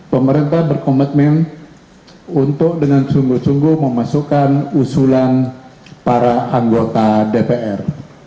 pemerintah berkomitmen untuk dengan sungguh sungguh memasukkan usulan para anggota dpr